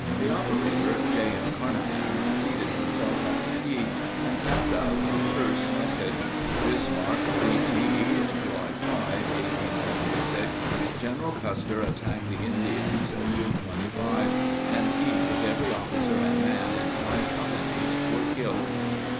The operator, J. M. Carnahan, seated himself at the key and tapped out a terse message: "Bismarck, D.T., July 5, 1876: — General Custer attacked the Indians June 25, and he, with every officer and man in five companies, were killed."